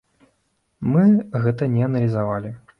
Мы гэта не аналізавалі.